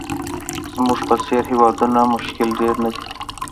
زموږ په څېر هېوادونو مشکل ډېر نه دي.